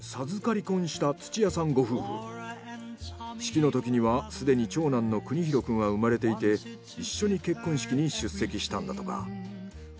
式のときにはすでに長男の邦広くんは生まれていて一緒に結婚式に出席したんだとか。